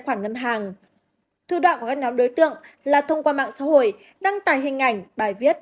sản hàng thư đoạn của các nhóm đối tượng là thông qua mạng xã hội đăng tài hình ảnh bài viết